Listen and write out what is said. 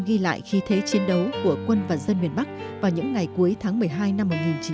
ghi lại khi thế chiến đấu của quân và dân miền bắc vào những ngày cuối tháng một mươi hai năm một nghìn chín trăm bảy mươi